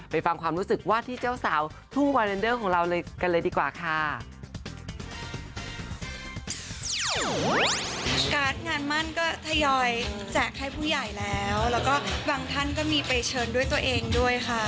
เพราะบางท่านก็มีไปเชิญด้วยตัวเองด้วยค่ะ